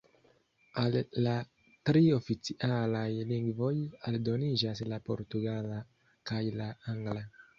Al la tri oficialaj lingvoj aldoniĝas la portugala kaj la angla.